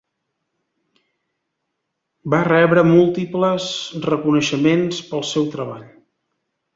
Va rebre múltiples reconeixements pel seu treball.